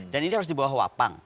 dan ini harus di bawah wapang